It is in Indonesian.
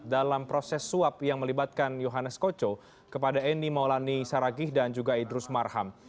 dalam proses suap yang melibatkan yohannes koco kepada eni maulani saragih dan juga idrus marham